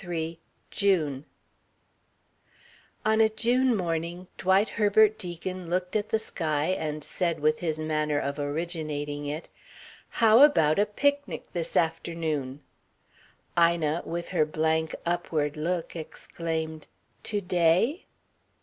III JUNE On a June morning Dwight Herbert Deacon looked at the sky, and said with his manner of originating it: "How about a picnic this afternoon?" Ina, with her blank, upward look, exclaimed: "To _day?